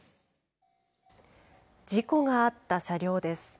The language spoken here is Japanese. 事故があった車両です。